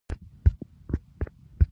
د غنمو بیه حکومت ټاکي؟